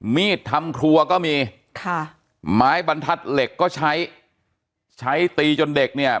มีดทำครัวก็มีค่ะไม้บรรทัดเหล็กก็ใช้ใช้ตีจนเด็กเนี่ย